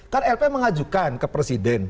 kan lp mengajukan ke presiden